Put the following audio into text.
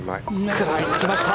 食らいつきました。